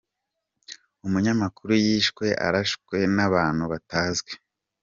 Umunyamakuru yishwe arashwe n’abantu batazwi